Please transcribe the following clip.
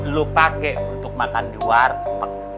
lu pakai untuk makan di warteg